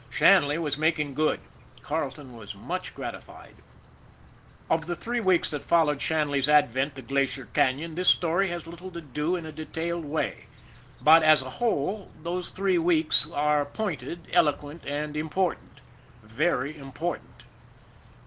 Shanley was making good. Carleton was much gratified. Of the three weeks that followed Shanley's advent to Glacier Canon, this story has little to do in a de tailed way; but, as a whole, those three weeks are pointed, eloquent, and important very important.